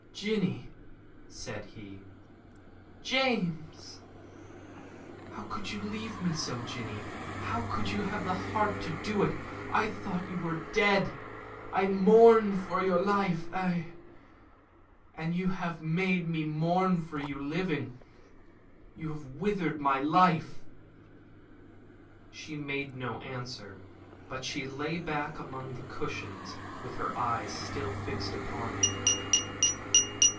"Jinny!" said he. "James!" "How could you leave me so, Jinny? How could you have the heart to do it? I thought you were dead. I mourned for your death ay, and you have made me mourn for you living. You have withered my life." She made no answer, but lay back among her cushions with her eyes still fixed upon him.